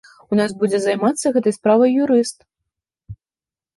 У нас будзе займацца гэтай справай юрыст.